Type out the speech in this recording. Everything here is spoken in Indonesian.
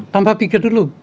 tanpa pikir dulu